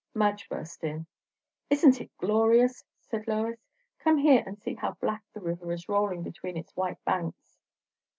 Madge burst in. "Isn't it glorious?" said Lois. "Come here and see how black the river is rolling between its white banks."